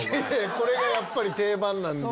これがやっぱり定番なんで。